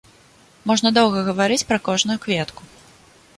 Можна доўга гаварыць пра кожную кветку.